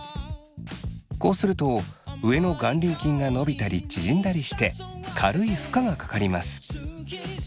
こうすると上の眼輪筋が伸びたり縮んだりして軽い負荷がかかります。